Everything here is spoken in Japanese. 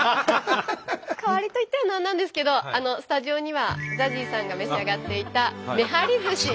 代わりと言っては何なんですけどスタジオにはＺＡＺＹさんが召し上がっていためはりずし。